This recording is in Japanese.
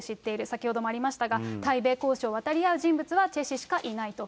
先ほどもありましたが、対米交渉を渡り合う人物はチェ氏しかいないと。